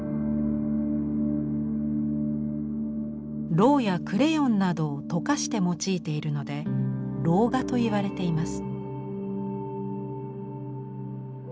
ロウやクレヨンなどを溶かして用いているので「ロウ画」と言われています。